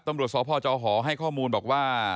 ตำรวจสพจหให้ข้อมูลบอกว่า